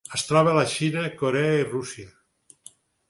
Es troba a la Xina, Corea i Rússia.